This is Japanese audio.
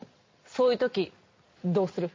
そういうときどうする？